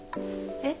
えっ？